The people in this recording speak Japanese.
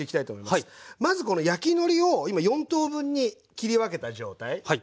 まずこの焼きのりを今４等分に切り分けた状態。